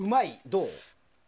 どう？